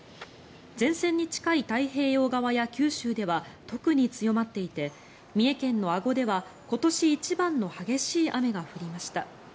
前線に近い太平洋側や九州では特に強まっていて三重県の阿児では今年一番の激しい雨が降りました。